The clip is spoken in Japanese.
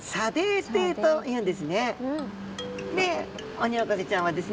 オニオコゼちゃんはですね